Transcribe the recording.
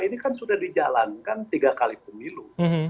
ini kan sudah dijalankan tiga kali pemilu